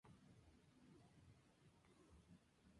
Colectivamente, forman el Gabinete.